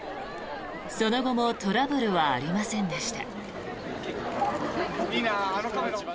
その後もトラブルはありませんでした。